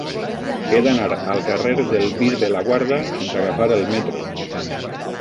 He d'anar al carrer del Bisbe Laguarda sense agafar el metro.